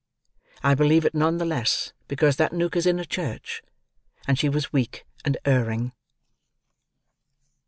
I believe it none the less because that nook is in a Church, and she was weak and erring.